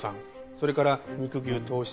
それから肉牛投資